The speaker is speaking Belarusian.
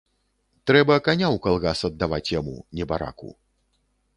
Трэба каня ў калгас аддаваць яму, небараку.